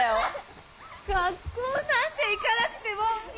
学校なんて行かなくてもいい！